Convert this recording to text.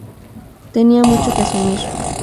Tenía mucho que asumir.